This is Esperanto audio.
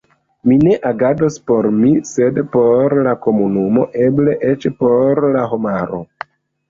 Mi ne agados por mi, sed por la komunumo, eble eĉ por la homaro.